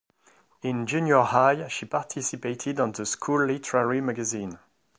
In junior high, she participated on the school literary magazine.